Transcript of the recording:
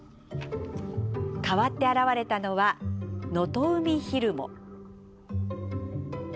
代わって現れたのはノトウミヒルモ。